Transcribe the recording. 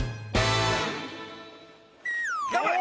頑張れ！